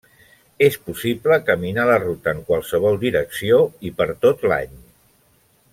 És possible caminar la ruta en qualsevol direcció, i per tot l'any.